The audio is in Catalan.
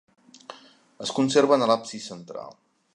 Es conserven a l'absis central.